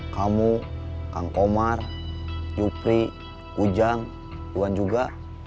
kamu kang komar jupri ujang tuhan juga